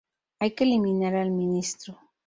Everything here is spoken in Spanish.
Hay que eliminar al Ministro.